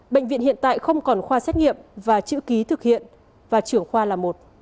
bệnh viện hiện tại không còn khoa xét nghiệm và chữ ký thực hiện và trưởng khoa là một